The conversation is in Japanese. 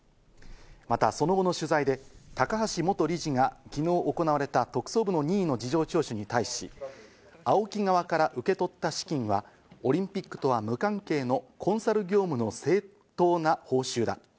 また、その後の取材で高橋元理事が昨日行われた特捜部の任意の事情聴取に対し、ＡＯＫＩ側から受け取った資金はオリンピックとは無関係のコンサル業務の正当な報酬だ。